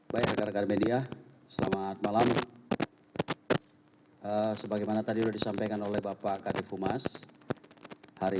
hai baik baik media selamat malam sebagaimana tadi disampaikan oleh bapak kadif umas hari